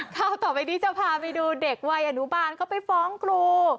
ข่าวต่อไปนี้จะพาไปดูเด็กวัยอนุบาลเขาไปฟ้องครู